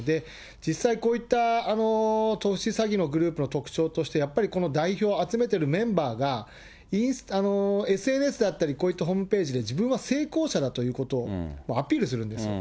実際こういった投資詐欺のグループの特徴として、やっぱりこの代表、集めているメンバーが、ＳＮＳだったり、こういったホームページで、自分は成功者だということをアピールするんですよ。